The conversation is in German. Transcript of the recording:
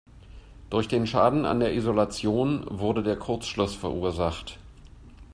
Durch den Schaden an der Isolation wurde der Kurzschluss verursacht.